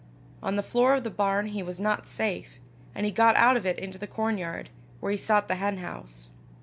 On the floor of the barn he was not safe, and he got out of it into the cornyard, where he sought the henhouse.